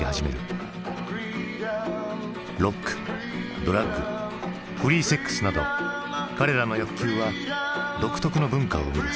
ロックドラッグフリーセックスなど彼らの欲求は独特の文化を生み出す。